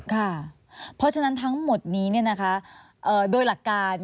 ค่ะเพราะฉะนั้นทั้งหมดนี้โดยหลักการ